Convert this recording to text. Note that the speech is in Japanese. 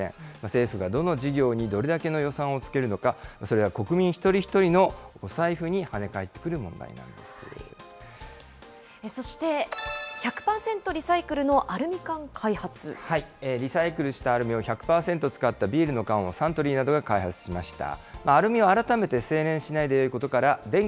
政府がどの事業にどれだけの予算をつけるのか、それは国民一人一人のお財布に跳ね返ってくる問題そして、１００％リサイクルリサイクルしたアルミを１００％使ったビールの缶をサントリーなどが開発しました。